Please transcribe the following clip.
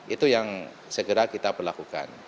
itu yang segera kita perlakukan